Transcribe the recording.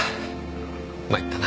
参ったな。